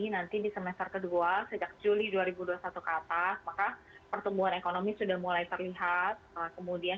nanti di semester kedua sejak juli dua ribu dua puluh satu ke atas maka pertumbuhan ekonomi sudah mulai terlihat kemudian